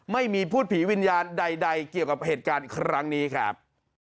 ไม่มีพูดผีวิญญาณใดเกี่ยวกับเหตุการณ์ครั้งนี้ครับ